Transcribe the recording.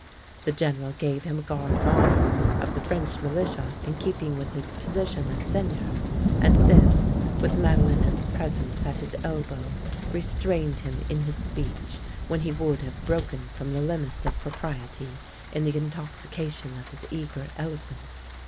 The General gave him a guard of honour of the French militia in keeping with his position as Seigneur, and this, with Madelinette's presence at his elbow, restrained him in his speech when he would have broken from the limits of propriety in the intoxica tion of his eager eloquence.